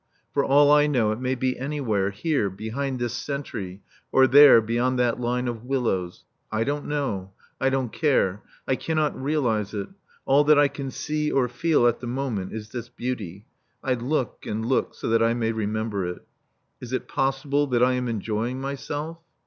For all I know it may be anywhere, here, behind this sentry; or there, beyond that line of willows. I don't know. I don't care. I cannot realize it. All that I can see or feel at the moment is this beauty. I look and look, so that I may remember it. Is it possible that I am enjoying myself?